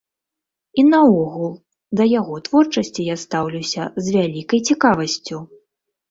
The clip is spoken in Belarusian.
І наогул, да яго творчасці я стаўлюся з вялікай цікавасцю.